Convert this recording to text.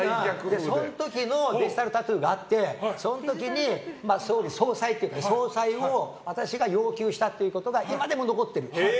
その時のデジタルタトゥーがあってその時に総裁を私が要求したということが今でも残ってる。